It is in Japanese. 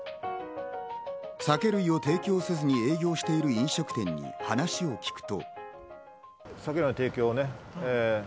酒類を提供せずに営業している飲食店に話を聞くと。